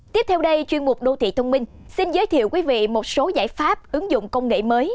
tiếp theo đây chuyên mục đô thị thông minh xin giới thiệu quý vị một số giải pháp ứng dụng công nghệ mới